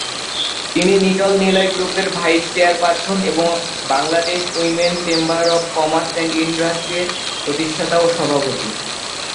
তিনি নিটল-নিলয় গ্রুপের vice chairperson এবং Bangladesh women chamber of commerce and ইন্ড্রাস্ট্রি’র প্রতিষ্ঠাতা ও সভাপতি।